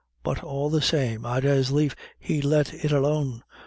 But all the same, I'd as lief he'd let it alone.